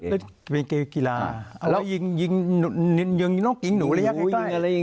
เล่นเพื่อนเกมกีฬ่าต้องเงินเหงาใจ